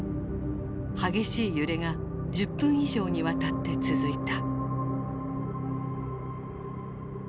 激しい揺れが１０分以上にわたって続いた。